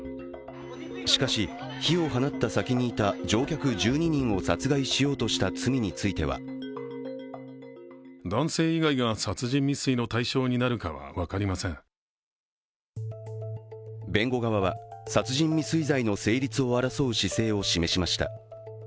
しかし、火を放った先にいた乗客１２人を殺害しようとした罪については弁護側は、殺人未遂罪の成立を争う姿勢を示しました。